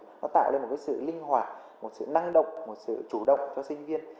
nó tạo lên một cái sự linh hoạt một sự năng động một sự chủ động cho sinh viên